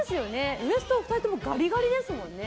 ウエスト２人ともガリガリですもんね。